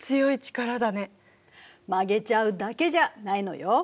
曲げちゃうだけじゃないのよ。